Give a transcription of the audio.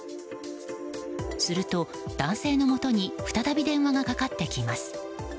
すると男性のもとに再び電話がかかってきます。